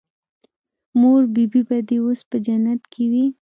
مور بي بي به دې اوس په جنت کښې وي.